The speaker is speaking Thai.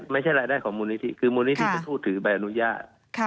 ไม่ใช่รายได้ของมูลนิธิคือมูลนิธิเป็นผู้ถือใบอนุญาต